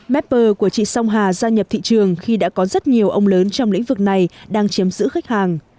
mapper của chị song hà gia nhập thị trường khi đã có rất nhiều ông lớn trong lĩnh vực này đang chiếm giữ khách hàng